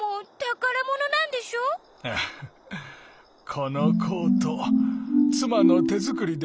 このコートつまのてづくりでね